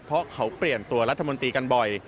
เพราะเขาเปลี่ยนตัวรัฐมนตรีกันบ่อย